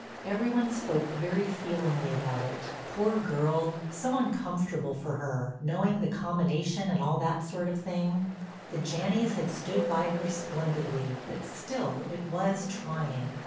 Every one spoke very feelingly about it:—poor girl, so uncomfortable for her, knowing the combination and all that sort of thing—the Janneys had stood by her splendidly, but still it was trying.